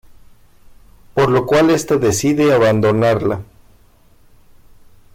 Por lo cual este decide abandonarla.